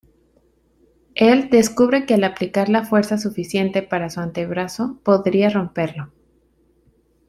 Él descubre que al aplicar la fuerza suficiente para su antebrazo podría romperlo.